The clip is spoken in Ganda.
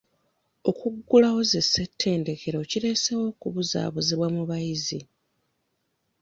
Okuggulawo zi ssettendekero kireeseewo okubuzaabuzibwa mu bayizi.